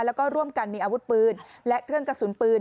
แล้วก็ร่วมกันมีอาวุธปืนและเครื่องกระสุนปืน